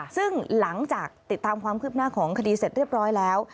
ซึ่งหลังจากติดตามความคืบหน้าของคดีเสร็จเรียบร้อยแล้ว